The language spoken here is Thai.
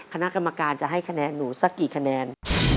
คณะกรรมการจะให้คะแนนหนูสักกี่คะแนน